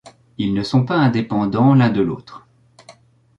Ils ne sont pas indépendants l’un de l’autre.